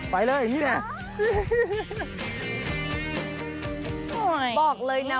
ไปเลยนี่แหละ